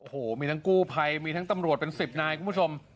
โอ้โหมีทั้งกู้ภัยมีทั้งตำรวจเป็น๑๐นายคุณผู้ชม